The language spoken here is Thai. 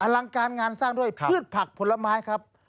ลังการงานสร้างด้วยพืชผักผลไม้ครับ